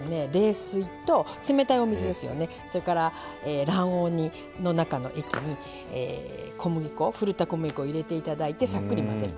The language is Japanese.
冷水と、それから卵黄の中の液にふるった小麦粉を入れていただいてさっくり混ぜる。